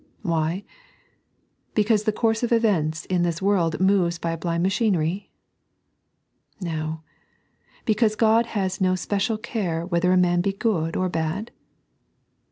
Why ? Because the course of events in this world moves by a blind machinery Z No. Because God has no spedat care whether a man be good or bad?